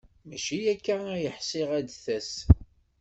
Mačči akka ay ḥṣiɣ ad d-tas.